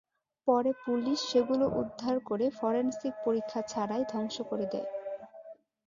পরে পুলিশ সেগুলো উদ্ধার করে ফরেনসিক পরীক্ষা ছাড়াই ধ্বংস করে দেয়।